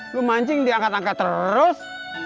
lu mancing diangkat angkat terus